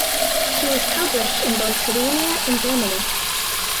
She was published in both Slovenia and Germany.